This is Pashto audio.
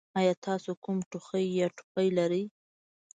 ایا تاسو کوم ټوخی یا ټوخی لرئ؟